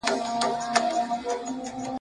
ها یوه ښځه په څومره ارمان ژاړي `